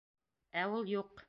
Ә ул юҡ!